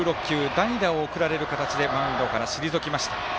代打を送られる形でマウンドから退きました。